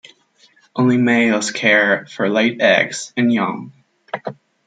Only males care for laid eggs and young.